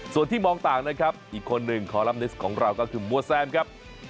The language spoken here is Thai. ส่วนที่มองต่างนะครับอีกคนหนึ่งคอลัมนิสต์ของเราก็คือมัวแซมครับ